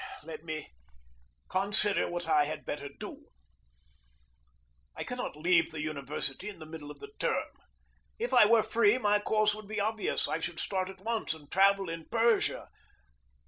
Let me consider what I had better do. I cannot leave the university in the middle of the term. If I were free, my course would be obvious. I should start at once and travel in Persia.